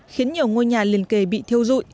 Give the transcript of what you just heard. khiến nhiều ngôi nhà liền kề bị thiêu dụi